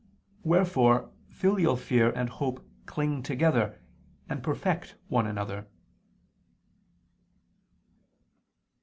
Wherefore filial fear and hope cling together, and perfect one another.